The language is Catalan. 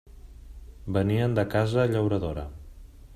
Venien de casa llauradora.